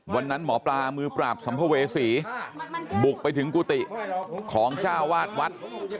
หมอปลามือปราบสัมภเวษีบุกไปถึงกุฏิของเจ้าวาดวัด